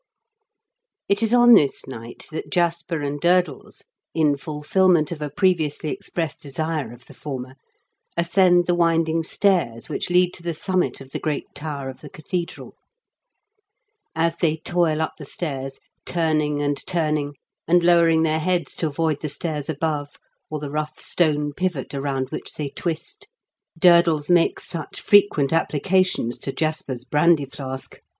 It is on this night that Jasper and Durdles, in fulfilment of a previously expressed desire of the former, ascend the winding stairs which lead to the summit of the great tower of the cathedral As they toil up the stairs, "turning and turning, and lowering their heads to avoid the stairs above, or the rough stone pivot around which they twist," Durdles makes such frequent applications to Jasper's brandy flask.